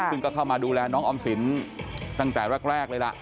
ซึ่งก็เข้ามาดูแลน้องออมสินตั้งแต่แรกเลยล่ะ